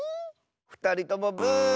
ふたりともブー。